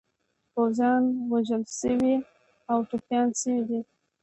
پوځیان وژل شوي او ټپیان شوي دي.